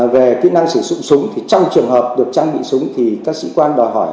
về kỹ năng sử dụng súng thì trong trường hợp được trang bị súng thì các sĩ quan đòi hỏi